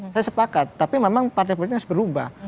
saya sepakat tapi memang partai politik harus berubah